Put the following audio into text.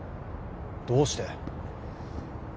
どうして？